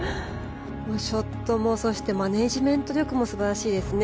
ショットもそしてマネジメント力も素晴らしいですね。